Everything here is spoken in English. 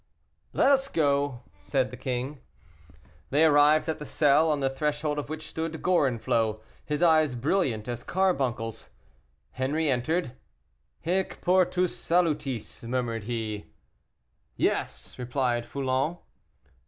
"Let us go!" said the king. They arrived at the cell, on the threshold of which stood Gorenflot, his eyes brilliant as carbuncles. Henri entered. "Hic portus salutis!" murmured he. "Yes," replied Foulon.